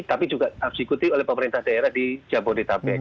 tapi juga absekuti oleh pemerintah daerah di jabodetabek